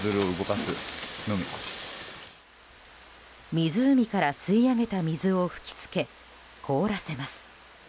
湖から吸い上げた水を吹き付け凍らせます。